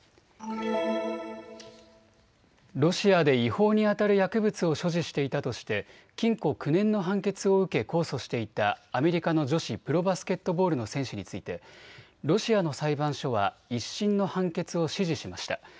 ロシアで違法にあたる薬物を所持していたとして禁錮９年の判決を受け控訴していたアメリカの女子プロバスケットボールの選手についてロシアの裁判所は１審の判決を支持しました。